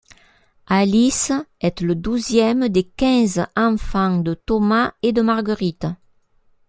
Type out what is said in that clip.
Alice est le douzième des quinze enfants de Thomas et de Marguerite.